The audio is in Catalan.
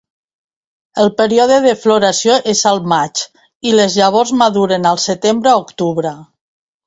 El període de floració és al maig, i les llavors maduren al setembre-octubre.